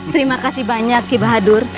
terima kasih banyak ki bahadur